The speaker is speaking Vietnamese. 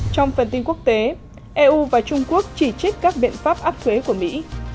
trong phần tin quốc tế eu và trung quốc chỉ trích các biện pháp áp thuế của mỹ